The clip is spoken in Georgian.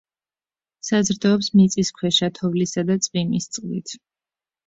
საზრდოობს მიწისქვეშა, თოვლისა და წვიმის წყლით.